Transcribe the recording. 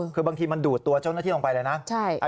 คือบางทีมันดูดตัวเจ้าหน้าที่ลงไปเลยนะ